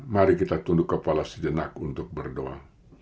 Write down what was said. mari kita tunduk kepala sejenak untuk berdoa